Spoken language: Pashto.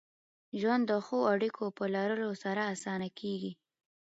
ژوند د ښو اړیکو په لرلو سره اسانه کېږي.